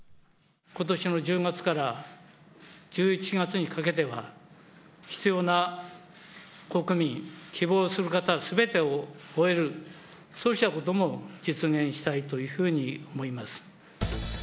ことしの１０月から１１月にかけては、必要な国民、希望する方すべてを終える、そうしたことも実現したいというふうに思います。